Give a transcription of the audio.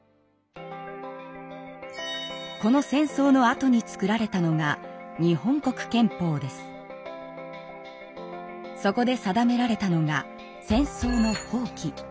この戦争のあとに作られたのがそこで定められたのが戦争の放棄。